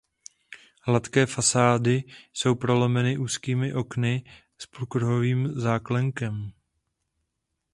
Hladké fasády jsou prolomeny úzkými okny s půlkruhovým záklenkem.